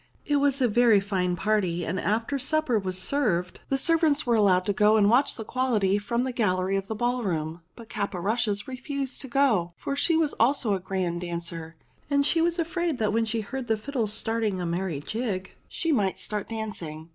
It was a very fine party, and after supper was served, the servants were allowed to go and watch the quality from the gallery of the ball room. But Caporushes refused to go, for she also was a grand dancer, and she was afraid that when she heard the fiddles starting a merry jig, she might start dancing.